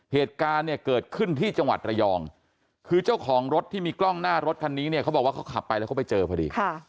เหตุการณ์เนี่ยเกิดขึ้นที่จังหวัดระยองคือเจ้าของรถที่มีกล้องหน้ารถคันนี้เนี่ยเขาบอกว่าเขาขับไปแล้วเขาไปเจอพอดี